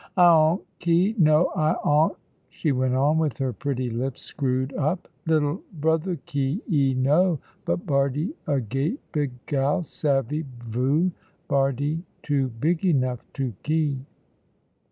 "I 'ont ky; no, I 'ont," she went on, with her pretty lips screwed up. "Little brother ky, 'e know; but Bardie a gate big gal, savvy voo? Bardie too big enough to ky."